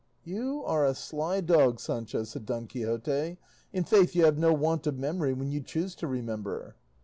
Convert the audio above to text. "You are a sly dog, Sancho," said Don Quixote; "i' faith, you have no want of memory when you choose to remember."